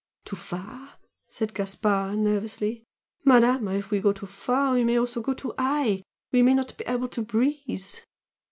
"Too far!" said Gaspard, nervously "Madama, if we go too far we may also go too high we may not be able to breathe!..."